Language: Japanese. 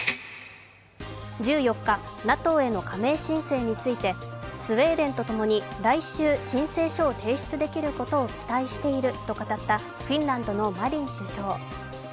１４日、ＮＡＴＯへの加盟申請についてスウェーデンとともに来週申請書を提出できることを期待していると語ったフィンランドのマリン首相。